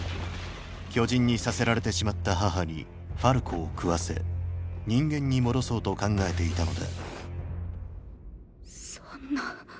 巨人にさせられてしまった母にファルコを食わせ人間に戻そうと考えていたのだそんな。